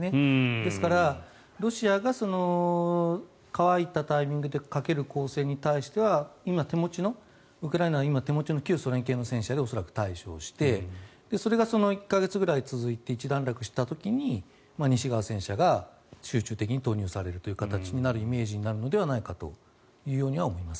ですから、ロシアが乾いたタイミングでかける攻勢に対しては今、ウクライナの手持ちの旧ソ連系の戦車で恐らく対処してそれが１か月ぐらい続いて一段落した時に西側戦車が集中的に投入されるという形のイメージになるのではないかと思います。